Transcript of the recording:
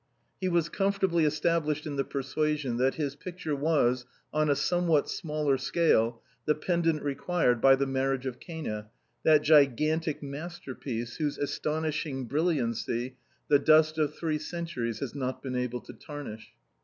He was comfortably established in the persuasion that his picture was, on a somewhat smaller scale, the pendant required by " The Marriage of Cana," that gigantic master piece whose astonishing bril liancy the dust of three centuries has not been able to tarnish.